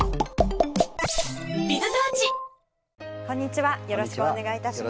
こんにちはよろしくお願いいたします。